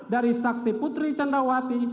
dari saksi putri candrawati